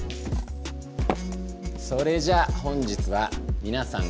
それじゃあ本日はみなさん